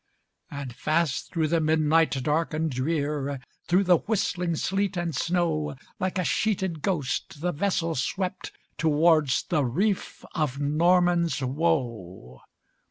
And fast through the midnight dark and drear, Through the whistling sleet and snow, Like a sheeted ghost, the vessel swept Towards the reef of Norman's Woe.